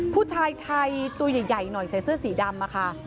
ผู้ชายไทยตัวใหญ่หน่อยใส่เสื้อสีดำค่ะ